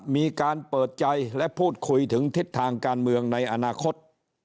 มีการเปิดใจและพูดคุยถึงทิศทางการเมืองในอนาคต